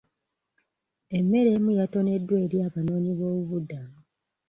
Emmere emu yatoneddwa eri abanoonyi b'obubuddamu.